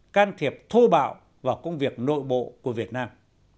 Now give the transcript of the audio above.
can thiệp thô bạo vào công việc nội bộ của việt nam